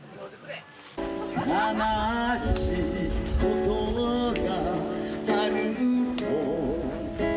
「悲しいことがあると」